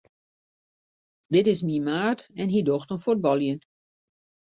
Dit is myn maat en hy docht oan fuotbaljen.